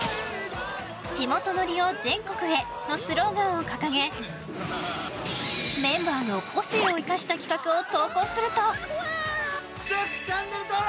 「地元ノリを全国へ」のスローガンを掲げメンバーの個性を生かした企画を投稿すると。